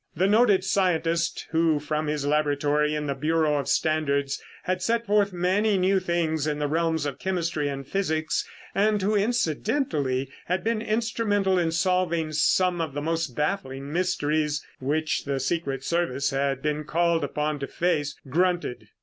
The noted scientist, who from his laboratory in the Bureau of Standards had sent forth many new things in the realms of chemistry and physics, and who, incidentally, had been instrumental in solving some of the most baffling mysteries which the secret service had been called upon to face, grunted.